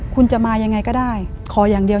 คุณจะมายังไงก็ได้ขออย่างเดียว